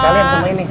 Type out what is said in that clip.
kalian semua ini